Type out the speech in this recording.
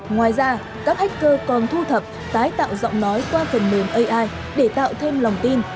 ngoài ra các hacker còn thu thập tái tạo giọng nói qua phần mềm ai để tạo thêm lòng tin